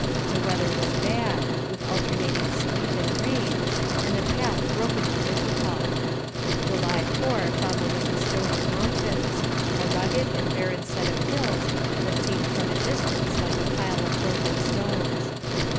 The weather was bad, with alternating sleet and rain, and the path broken and difficult. July 4 found them at the Stony Mountains, a rugged and barren set of hills that seemed from a distance like a pile of broken stones.